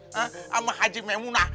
sama haji maimunah